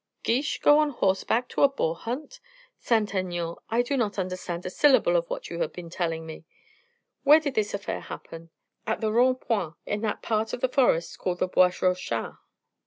Guiche go on horseback to a boar hunt? Saint Aignan, I do not understand a syllable of what you have been telling me. Where did this affair happen?" "At the Rond point, in that part of the forest called the Bois Rochin."